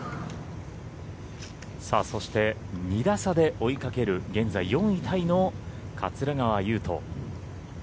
そして、２打差で追いかける現在４位タイの桂川有人。